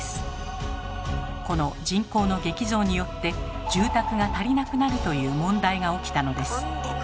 この人口の激増によって住宅が足りなくなるという問題が起きたのです。